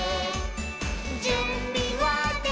「じゅんびはできた？